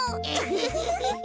フフフフフ。